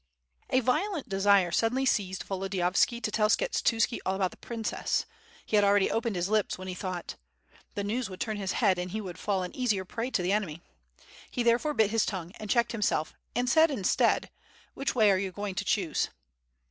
A violent desire suddenly , seized Volodiyovski to tell Skshetuski all about the princess; he had already opened his lips when he thought: "The news would turn his head and he would fall an easier prey to the enemy." He therefore bit his ton^xue and checked himself and said instead, "which way are you going to choose?"